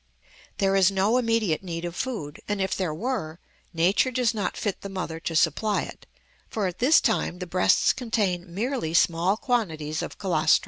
There is no immediate need of food; and if there were, nature does not fit the mother to supply it, for at this time the breasts contain merely small quantities of colostrum.